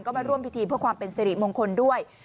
ก็มาร่วมพิธีเพื่อความเป็นสิริมงคลด้วย